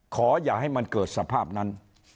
ขออย่าให้มันเกิดสภาพนั้น